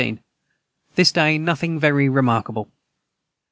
This day nothing very remarkable.